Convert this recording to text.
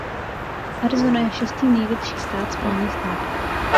Arizona je šestý největší stát Spojených států.